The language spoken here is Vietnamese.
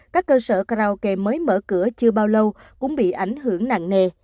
các cơ sở karaoke mới mở cửa chưa bao lâu cũng bị ảnh hưởng nặng nề